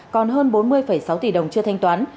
còn hơn bốn mươi sáu tỷ đồng chưa thanh toán